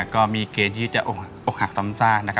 ก็มีเกณฑ์ที่จะอกหักซ้ำซ่าน